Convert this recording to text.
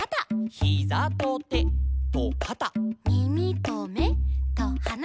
「ヒザとてとかた」「みみとめとはな」